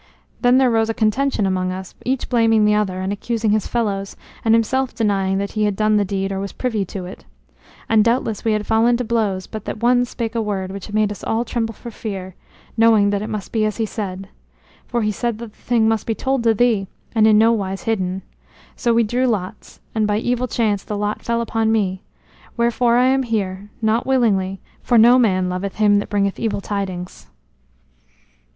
Then there arose a contention among us, each blaming the other, and accusing his fellows, and himself denying that he had done the deed or was privy to it. And doubtless we had fallen to blows but that one spake a word which made us all tremble for fear, knowing that it must be as he said. For he said that the thing must be told to thee, and in no wise hidden. So we drew lots, and by evil chance the lot fell upon me. Wherefore I am here, not willingly, for no man loveth him that bringeth evil tidings."